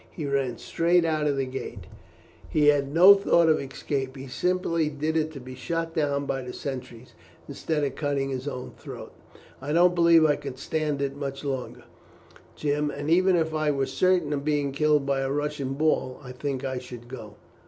He ran straight out of the gate; he had no thought of escape; he simply did it to be shot down by the sentries, instead of cutting his own throat. I don't believe I could stand it much longer, Jim; and even if I were certain of being killed by a Russian ball I think I should go."